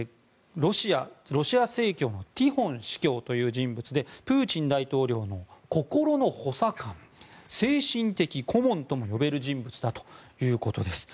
ロシア正教のティホン司教という人物でプーチン大統領の心の補佐官精神的顧問とも呼べる人物だということです。